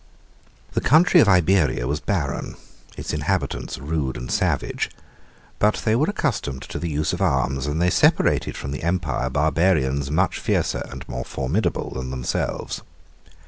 82 IV. The country of Iberia was barren, its inhabitants rude and savage. But they were accustomed to the use of arms, and they separated from the empire barbarians much fiercer and more formidable than themselves.